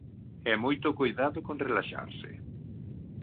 E moito coidado con relaxarse...